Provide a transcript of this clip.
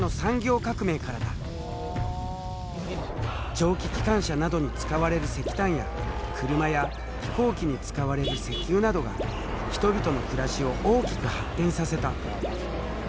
蒸気機関車などに使われる石炭や車や飛行機に使われる石油などが人々の暮らしを大きく発展させた。